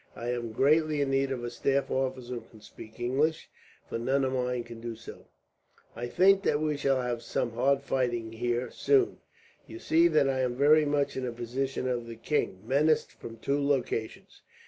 I am greatly in need of a staff officer who can speak English, for none of mine can do so. "I think that we shall have some hard fighting here, soon. You see that I am very much in the position of the king, menaced from two directions.